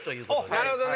なるほどね。